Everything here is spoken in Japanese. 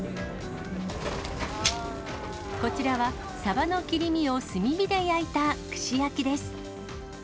こちらは、サバの切り身を炭火で焼いた串焼きです。